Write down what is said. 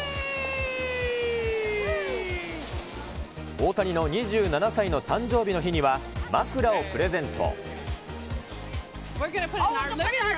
大谷の２７歳の誕生日の日には、枕をプレゼント。